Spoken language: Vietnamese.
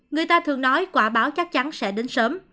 người ta thường nói quả báo chắc chắn sẽ đến sớm